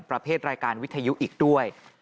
ประเภทรายการวิทยุอีกด้วย